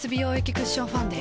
クッションファンデ